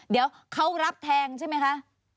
เดี๋ยวเขารับแทงใช่ไหมคะ